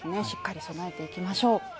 しっかり備えていきましょう。